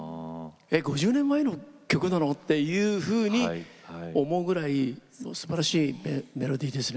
５０年前の曲なの？というふうに思うぐらいすばらしいメロディーですね。